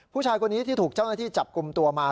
ผู้ชายคนนี้ที่ถูกเจ้าหน้าที่จับกลุ่มตัวมา